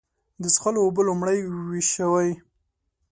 د څښلو اوبه لومړی وېشوئ.